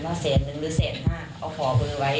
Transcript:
ว่าเศษหนึ่งหรือเศษห้าเอาพ่อเบอร์ไว้